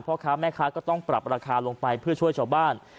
พ่อค้าแม่ค้าก็ต้องปรับราคาลงไปเพื่อช่วยชาวบ้าน